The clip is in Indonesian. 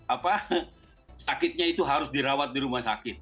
apa sakitnya itu harus dirawat di rumah sakit